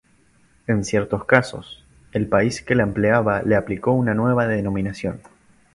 En ciertos casos, el país que la empleaba le aplicó una nueva denominación.